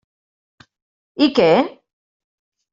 I què?